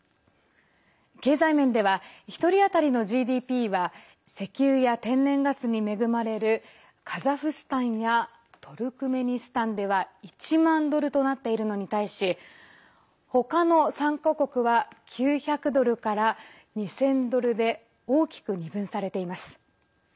経済面では１人当たりのＧＤＰは石油や天然ガスに恵まれるカザフスタンやトルクメニスタンでは１万ドルとなっているのに対し他の３か国は９００ドルから２０００ドルで大きく二分されています。